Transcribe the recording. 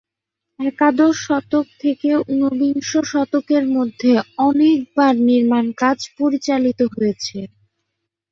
একাদশ শতক থেকে ঊনবিংশ শতকের মধ্যে অনেকবার নির্মাণকাজ পরিচালিত হয়েছে।